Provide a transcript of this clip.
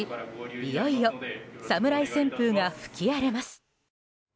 いよいよ侍旋風が吹き荒れます。